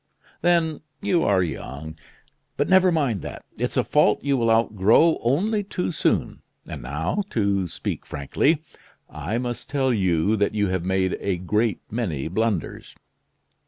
Then, you are young. But never mind that, it's a fault you will outgrow only too soon. And now, to speak frankly, I must tell you that you have made a great many blunders."